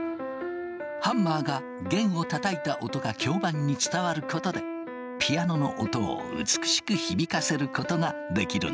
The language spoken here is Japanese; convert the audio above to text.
ハンマーが弦をたたいた音が響板に伝わることでピアノの音を美しく響かせることができるんだ。